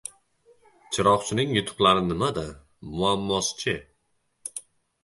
Chiroqchining yutuqlari nimada? Muammosichi?